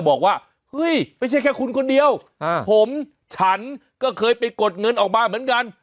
บอกว่าเฮ้ยไม่ใช่แค่คุณคนเดียวผมฉันก็เคยไปกดเงินออกมาเหมือนกัน